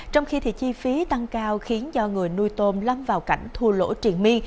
trong khi thì chi phí tăng cao khiến do người nuôi tôm lâm vào cảnh thua lỗ triển mi